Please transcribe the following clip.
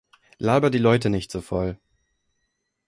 Laber die Leute nicht so voll.